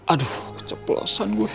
aduh keceplosan gue